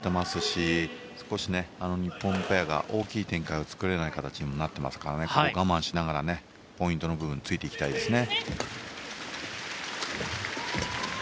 動きも非常に速くなっていますし少し日本ペアが大きい展開を作れない形になっていますからここは我慢しながらポイントの部分ついていきたいですね。